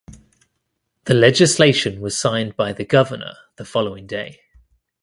The legislation was signed by the governor the following day.